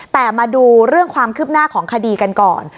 แต่มาดูเรื่องความคืบหน้าของคดีกันก่อน